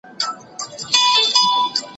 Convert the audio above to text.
له ليري واه واه، له نژدې اوډره.